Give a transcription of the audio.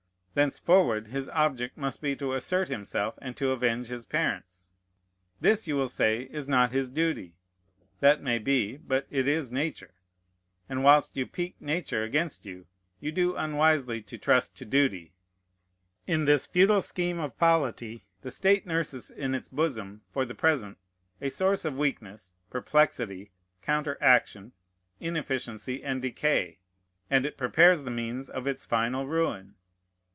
Thenceforward his object must be to assert himself and to avenge his parents. This you will say is not his duty. That may be; but it is Nature; and whilst you pique Nature against you, you do unwisely to trust to duty. In this futile scheme of polity, the state nurses in its bosom, for the present, a source of weakness, perplexity, counteraction, inefficiency, and decay; and it prepares the means of its final ruin.